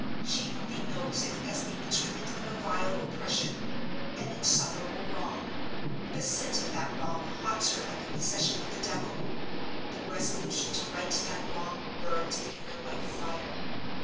She only knows it as the instrument of a vile oppression, an insufferable wrong. The sense of that wrong haunts her like a possession of the devil. The resolution to right that wrong burns in her like fire.